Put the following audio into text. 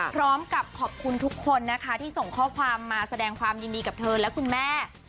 พร้อมกับขอบคุณทุกคนนะคะที่ส่งข้อความมาแสดงความยินดีกับเธอและคุณแม่